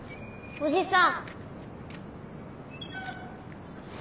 おじさん。